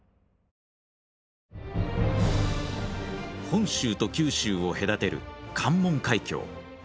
本州と九州を隔てる関門海峡。